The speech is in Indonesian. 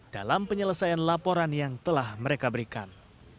dalam penyelesaian laporan yang telah mereka berikan